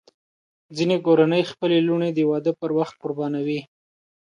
ځینې کورنۍ خپلې لوڼې د واده پر وخت قربانوي.